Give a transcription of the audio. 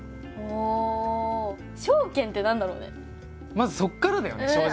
まずそこからだよね正直。